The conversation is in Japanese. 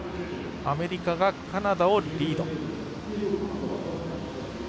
アメリカがカナダをリード。